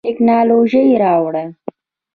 تکنالوژي راوړو.